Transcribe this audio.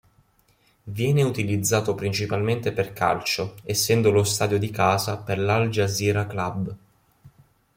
Viene utilizzato principalmente per calcio, essendo lo stadio di casa per l'Al-Jazira Club.